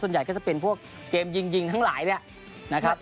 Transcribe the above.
ส่วนใหญ่ก็จะเป็นพวกเกมยิงทั้งหลายเนี่ยนะครับ